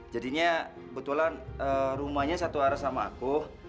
jadinya kebetulan rumahnya satu arah sama aku